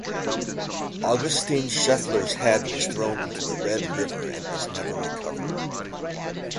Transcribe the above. Augustin Schoeffler's head was thrown into the Red River, and was never recovered.